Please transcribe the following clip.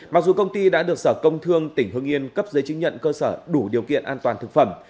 mặc dù công ty đã được sở công thương tỉnh hưng yên cấp giấy chứng nhận cơ sở đủ điều kiện an toàn thực phẩm